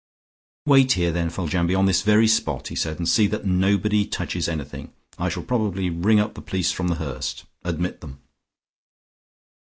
"Wait here, then, Foljambe, on this very spot," he said, "and see that nobody touches anything. I shall probably ring up the police from The Hurst. Admit them."